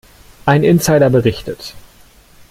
Ein Insider berichtet.